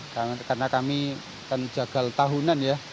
karena kami kan jagal tahunan ya